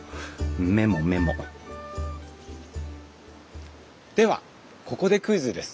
メモメモではここでクイズです。